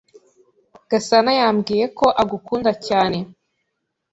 Gasana yambwiye ko agukunda cyane.